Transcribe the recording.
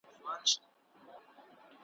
ستا په لار کي مي اوبه کړل په تڼاکو رباتونه ,